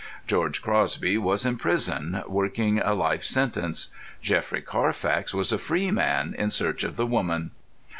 George Crosby was in prison, working a life sentence; Geoffrey Carfax was a free man in search of the woman.